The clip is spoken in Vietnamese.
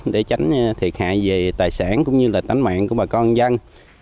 để tránh thiệt hại về tài sản cũng như là tính mạng của bà con dân